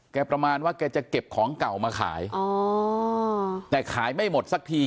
ประมาณว่าแกจะเก็บของเก่ามาขายอ๋อแต่ขายไม่หมดสักที